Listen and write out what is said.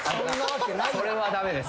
それは駄目です。